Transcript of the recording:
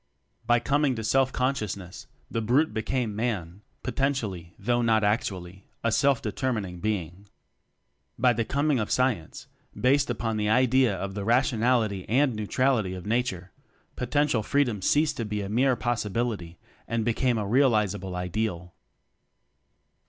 By coming to Self consciousness the Brute became Man potentially, though not actually, a self determining being. By the coming of Science based upon the idea of the rationality and neutrality of "nature" potential Free dom ceased to be a mere possibility and became a realizable Ideal.